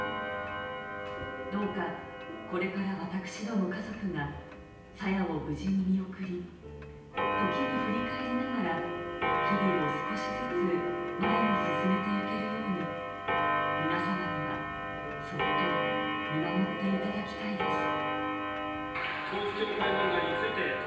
どうかこれから私ども家族が朝芽を無事に見送り、時に振り返りながら、日々を少しずつ前に進めてゆけるように、皆様にはそっと見守っていただきたいです。